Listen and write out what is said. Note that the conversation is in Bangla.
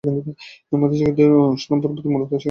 মধ্যযুগীয় উষ্ণ পর্বে মূলত সেখানকার জলবায়ু ছিল শুষ্ক।